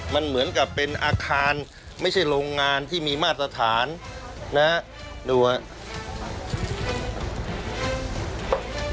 มันเหมือนกับเป็นอาคารไม่ใช่โรงงานที่มีมาตรฐานนะฮะดูครับ